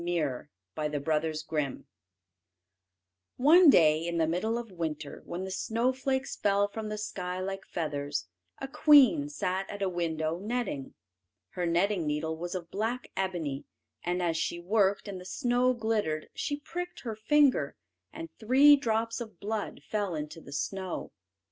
CHAPTER II THE MAGIC MIRROR One day in the middle of winter, when the snowflakes fell from the sky like feathers, a queen sat at a window netting. Her netting needle was of black ebony, and as she worked, and the snow glittered, she pricked her finger, and three drops of blood fell into the snow.